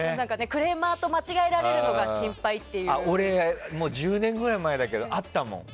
クレーマーと間違えられるのが俺１０年ぐらい前だけどあったもん。